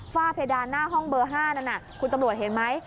เพดานหน้าห้องเบอร์๕นั้นคุณตำรวจเห็นไหม